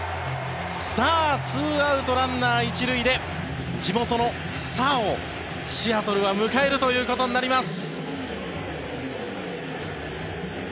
さあ、２アウト、ランナー１塁で地元のスターをシアトルは迎えるということになります。